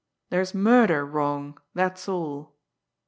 There's murder wrong, that's all."